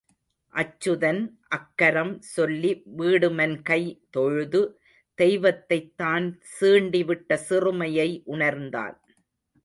அச்சுதன் அக்கரம் சொல்லி வீடுமன் கை தொழுது தெய்வத்தைத்தான் சீண்டி விட்ட சிறுமையை உணர்ந்தான்.